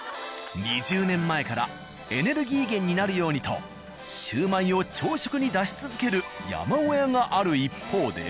２０年前からエネルギー源になるようにとシュウマイを朝食に出し続ける山小屋がある一方で。